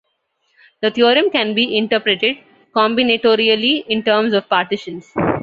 The theorem can be interpreted combinatorially in terms of partitions.